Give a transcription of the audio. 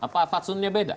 apa fatsunnya beda